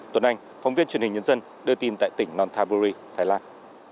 tuấn anh phóng viên truyền hình nhân dân đưa tin tại tỉnh nonthaburi thái lan